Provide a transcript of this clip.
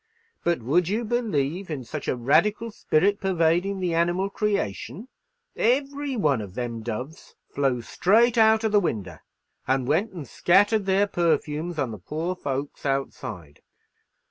But—would you believe in such a radical spirit pervadin' the animal creation?—every one of them doves flew straight out of the winder, and went and scattered their perfumes on the poor folks outside.